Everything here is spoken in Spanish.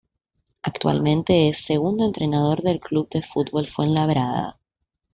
Actualmente es segundo entrenador del Club de Fútbol Fuenlabrada.